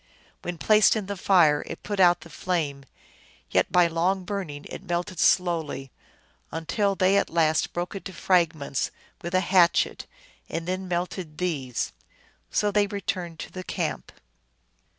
When placed in the fire it put out the flame, yet by long burning it melted slowly, until they at last broke it to fragments with a hatchet, and then melted these. So they re turned to the camp.